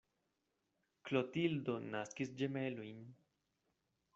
Klotildo naskis ĝemelojn.